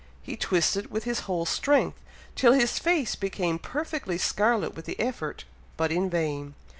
He twisted with his whole strength, till his face became perfectly scarlet with the effort, but in vain!